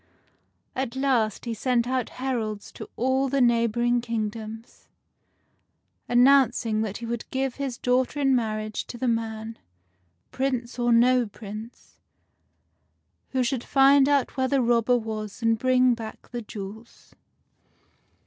At last he sent out heralds to all the neighboring kingdoms, announcing that he would give his daughter in marriage to the man — Prince or no Prince — who should find out where the robber was and bring back the jewels.